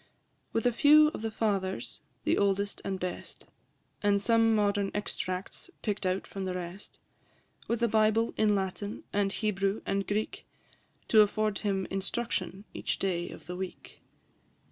With a few of the Fathers, the oldest and best, And some modern extracts pick'd out from the rest; With a Bible in Latin, and Hebrew, and Greek, To afford him instruction each day of the week.